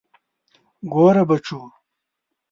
ګوره بچو.